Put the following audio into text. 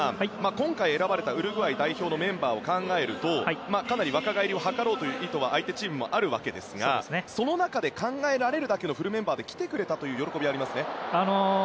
今回、選ばれたウルグアイ代表のメンバーを考えるとかなり若返りを図ろうという意図は相手チームにもあるわけですがその中で考えられるだけのフルメンバーで来てくれたという喜びがありますね。